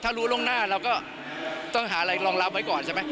ถ้ารู้ล่วงหน้าเราก็ต้องหาอะไรรองรับไว้ก่อนใช่ไหม